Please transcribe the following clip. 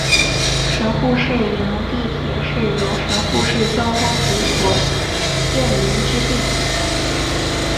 神户市营地铁是由神户市交通局所营运之地铁。